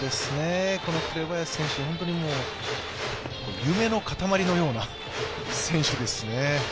紅林選手、本当に夢の塊のような選手ですね。